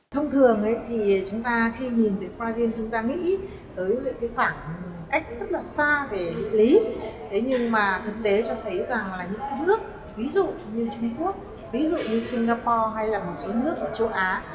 thực tế cho thấy rằng những nước như trung quốc singapore hay một số nước ở châu á